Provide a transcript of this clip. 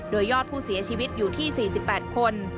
โดยยอดผู้เสียชีวิตอยู่ที่๔๘คน